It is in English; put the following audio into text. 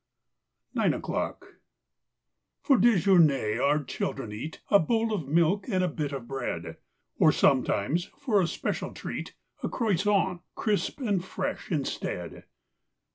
9 NINE O'CLOCK F or dejemier our children eat A bowl of milk and bit of bread; Or sometimes, for a special treat, A croissant, crisp and fresh, instead.